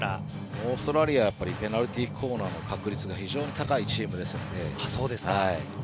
オーストラリアはペナルティーコーナーの確率が非常に高いチームですので。